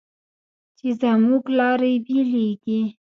چې زموږ لارې بېلېږي